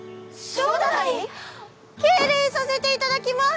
初代⁉敬礼させていただきます！